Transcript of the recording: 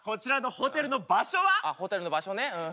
ホテルの場所ねうん。